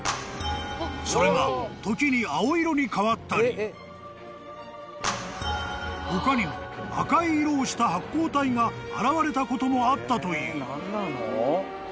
［それが時に青色に変わったり他にも赤い色をした発光体が現れたこともあったという］